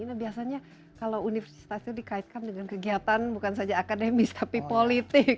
nah biasanya kalau universitas itu dikaitkan dengan kegiatan bukan saja akademis tapi politik